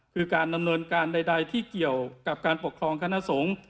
คือการดำเนินการใดที่เกี่ยวกับการปกครองคณะสงฆ์